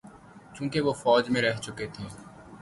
چونکہ وہ فوج میں رہ چکے تھے۔